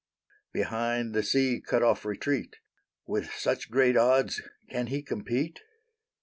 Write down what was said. Behind the sea cut off retreat; With such great odds can he compete?